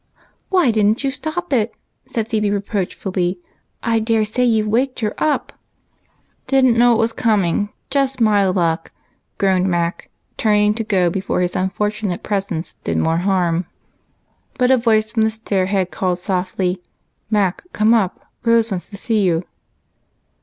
" Why did n't you stop it ?" said Phebe reproach fully. "I dare say you've waked her up." "Didn't know it was coming. Just my luck!" groaned Mac, turning to go before his unfortunate presence did more harm. But a voice from the stair head called softly, " Mac, come up ; Rose wants to see you."